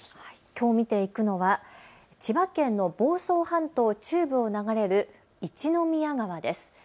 きょう見ていくのは千葉県の房総半島中部を流れる一宮川です。